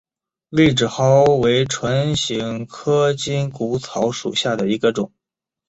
痢止蒿为唇形科筋骨草属下的一个种。